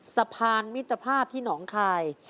สะพานมิตรภาพที่หนองคาย